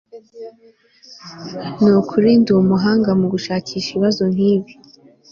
Nukuri ndumuhanga mugushakisha ibibazo nkibi